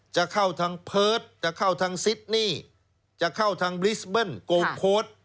จะเข้าทางเพิร์ตจะเข้าทางซิดนี่จะเข้าทางบลิสเบิ้ลโกงโค้ด